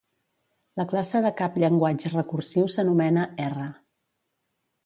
La classe de cap llenguatge recursiu s'anomena R.